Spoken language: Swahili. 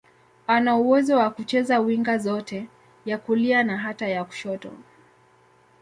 Ana uwezo wa kucheza winga zote, ya kulia na hata ya kushoto.